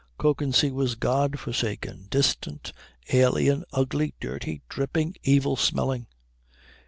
Kökensee was God forsaken, distant, alien, ugly, dirty, dripping, evil smelling.